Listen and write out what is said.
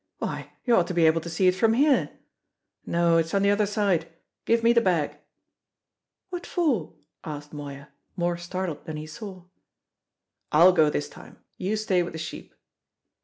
Why, you ought to be able to see it from here; no, it's on the other side; give me the bag!" "What for?" asked Moya, more startled than he saw. "I'll go this time. You stay with the sheep."